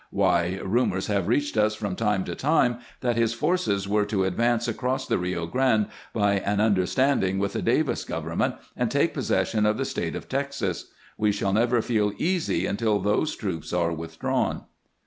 Why, rumors have reached us from time to time that his forces were to advance across the Rio Grande, by an understanding 256 CAMPAIGNING WITH GRANT with the Davis government, and take possession of the State of Texas. We shall never feel easy until those troops are withdrawn."